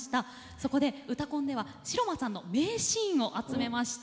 そこで「うたコン」では白間さんの名シーンを集めました。